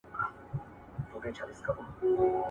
ما د سبا لپاره د سوالونو جواب ورکړی دی،